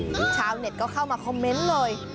ชาวเน็ตก็เข้ามาคอมเมนต์เลย